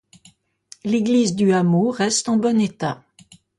L'église du hameau reste en bon état.